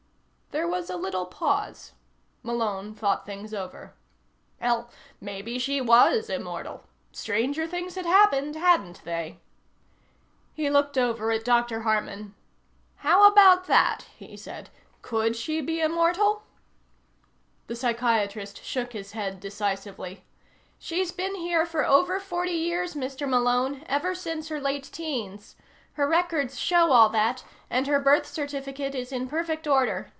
There was a little pause. Malone thought things over. Hell, maybe she was immortal. Stranger things had happened, hadn't they? He looked over at Dr. Harman. "How about that?" he said. "Could she be immortal?" The psychiatrist shook his head decisively. "She's been here for over forty years, Mr. Malone, ever since her late teens. Her records show all that, and her birth certificate is in perfect order.